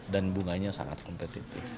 dan bunganya sangat kompetitif